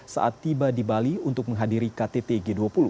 saat tiba di bali untuk menghadiri ktt g dua puluh